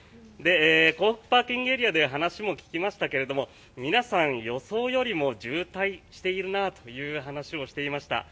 港北ＰＡで話も聞きましたが皆さん、予想よりも渋滞しているなという話をしていました。